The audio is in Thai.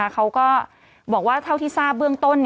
เขาก็บอกว่าเท่าที่ทราบเบื้องต้น